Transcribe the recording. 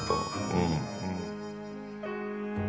うん。